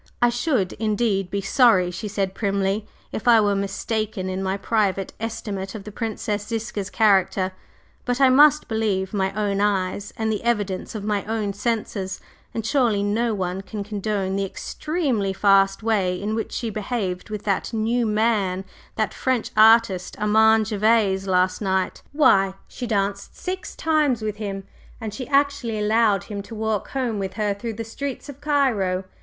"I should, indeed, be sorry," she said, primly, "if I were mistaken in my private estimate of the Princess Ziska's character, but I must believe my own eyes and the evidence of my own senses, and surely no one can condone the extremely fast way in which she behaved with that new man that French artist, Armand Gervase last night. Why, she danced six times with him! And she actually allowed him to walk home with her through the streets of Cairo!